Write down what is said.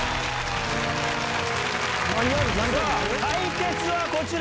さぁ対決はこちら！